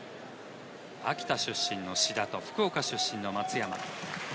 秋田出身の志田と福岡出身の松山。